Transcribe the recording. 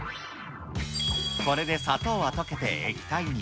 これで砂糖は溶けて液体に。